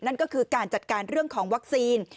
นั่นก็คือการจัดการเรื่องของวัคซีน